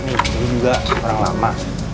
ini juga orang lama